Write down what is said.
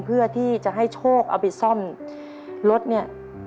เพื่อที่จะให้โชคเอาไปซ่อมรถเนี่ย